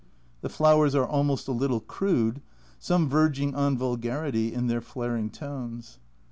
The flowers are almost a little crude, some verging on vulgarity in their flaring tones.